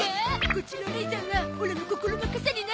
こっちのおねいさんはオラの心の傘になって。